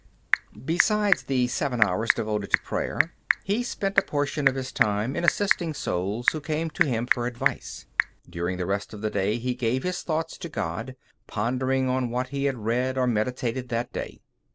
Besides the seven hours devoted to prayer, he spent a portion of his time in assisting souls who came to him for advice. During the rest of the day he gave his thoughts to God, pondering on what he had read or meditated that day.